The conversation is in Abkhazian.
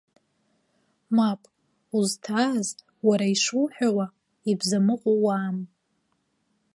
Мап, узҭааз уара ишуҳәауа, ибзамыҟәу уаам.